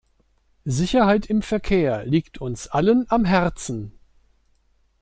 Sicherheit im Verkehr liegt uns allen am Herzen.